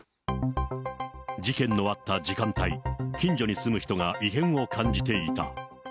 事件のあった時間帯、近所に住む人が異変を感じていた。